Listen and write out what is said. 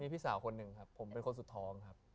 พี่สาวคนหนึ่งครับผมเป็นคนสุดท้องครับ